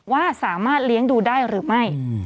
ว่าสามารถเลี้ยงดูได้หรือไม่